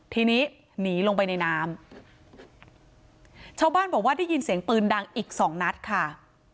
ทีนี้หนีลงไปในน้ำชาวบ้านบอกว่าได้ยินเสียงปืนดังอีกสองนัดค่ะ